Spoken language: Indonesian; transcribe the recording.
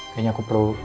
kayaknya aku perlu